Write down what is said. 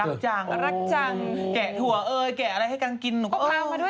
เพราะวันนี้หล่อนแต่งกันได้ยังเป็นสวย